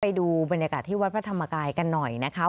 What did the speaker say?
ไปดูบรรยากาศที่วัดพระธรรมกายกันหน่อยนะคะ